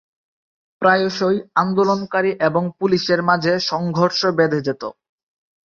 প্রায়শই আন্দোলনকারী এবং পুলিশের মাঝে সংঘর্ষ বেধে যেত।